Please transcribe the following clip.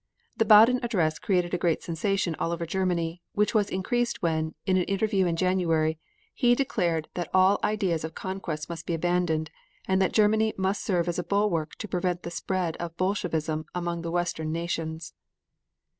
The Baden address created a great sensation all over Germany, which was increased when, in an interview in January, he declared that all ideas of conquest must be abandoned, and that Germany must serve as a bulwark to prevent the spread of Bolshevism among the western nations.